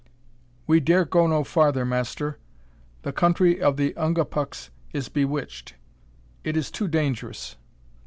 "We dare go no farther, master. The country of the Ungapuks is bewitched. It is too dangerous."